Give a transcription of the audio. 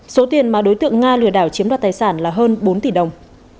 số tiền mà đối tượng nga lừa đảo chiếm đoạt tài sản là hơn bốn tỷ đồng